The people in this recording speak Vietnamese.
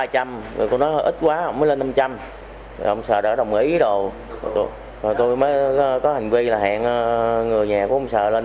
rồi cô nói ít quá ông mới lên năm trăm linh ông sợ đã đồng ý đồ rồi tôi mới có hành vi là hẹn người nhà của ông sợ lên